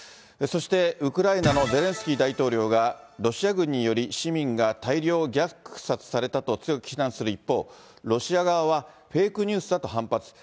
そしてウクライナのゼレンスキー大統領が、ロシア軍により市民が大量虐殺されたと強く非難する一方、ロシア側は、フェイクニュースだと反発。